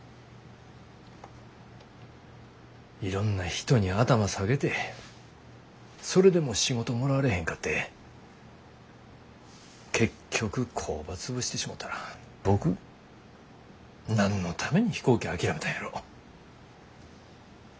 いろんな人に頭下げてそれでも仕事もらわれへんかって結局工場潰してしもたら僕何のために飛行機諦めたんやろ。